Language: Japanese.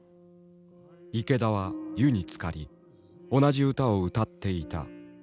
池田は湯につかり同じ歌を歌っていた。